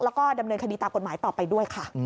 แล้วก็ดำเนินคดีตามกฎหมายต่อไปด้วยค่ะ